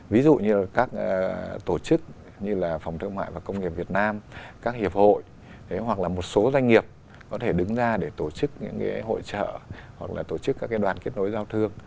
ví dụ như là các tổ chức như là phòng thương mại và công nghiệp việt nam các hiệp hội hoặc là một số doanh nghiệp có thể đứng ra để tổ chức những hội trợ hoặc là tổ chức các đoàn kết nối giao thương